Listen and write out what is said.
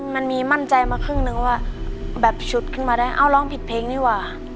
มันมีมั่นใจมาครึ่งนึงว่าแบบฉุดขึ้นมาได้เอ้าร้องผิดเพลงดีกว่า